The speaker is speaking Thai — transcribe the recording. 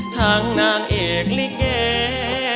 ทั้งนางเอกลิเกย์